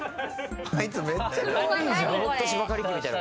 あいつ、めっちゃかわいいじゃん。